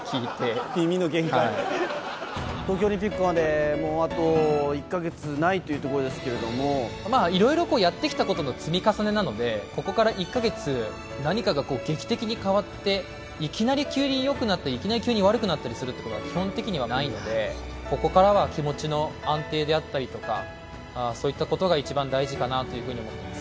東京オリンピックまでもうあと１か月ないというところですけれどまあ、いろいろとやってきたことの積み重ねなので、ここから１か月、何かが劇的に変わって、いきなり急によくなったり、いきなり急に悪くなったりすることは基本的にはないので、ここからは気持ちの安定であったりとか、そういったことが一番大事かなというふうに思っています。